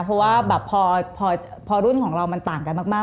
เพราะว่าแบบพอรุ่นของเรามันต่างกันมาก